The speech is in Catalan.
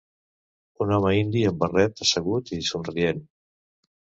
Un home indi amb barret assegut i somrient.